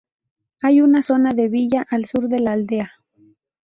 Hay una zona de villa al sur de la aldea.